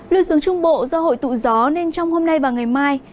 lưu xuống trung bộ do hội tụ gió nên trong hôm nay và ngày mai